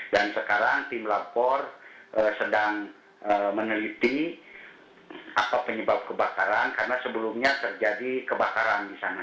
dan sekarang tim lapor sedang meneliti apa penyebab kebakaran karena sebelumnya terjadi kebakaran di sana